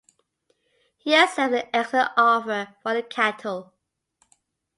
He accepts an excellent offer for the cattle.